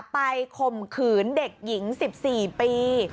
ข่มขืนเด็กหญิง๑๔ปี